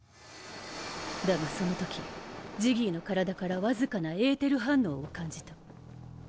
だがその時ジギーの体からわずかなエーテル反応を感じた。